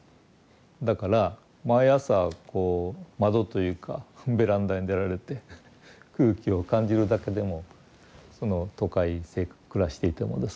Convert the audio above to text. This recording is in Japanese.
だから毎朝こう窓というかベランダに出られて空気を感じるだけでもその都会暮らしていてもですね